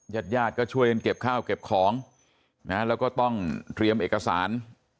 ญาติญาติก็ช่วยกันเก็บข้าวเก็บของนะแล้วก็ต้องเตรียมเอกสาร